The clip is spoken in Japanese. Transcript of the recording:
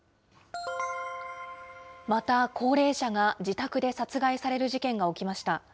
また高齢者が自宅で殺害される事件が起きました。